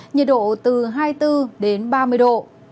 nhiệt độ từ hai mươi bốn ba mươi độ